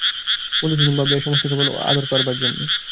মধুসূদন ভাবলে এ-সমস্ত কেবল আদর-কাড়বার জেন্যে।